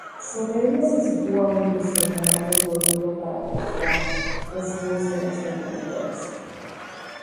Sobre ellas se sitúa un lucernario corrido para evacuar los humos de las locomotoras.